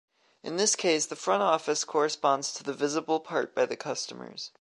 In this case, the Front Office corresponds to the visible part by the customers.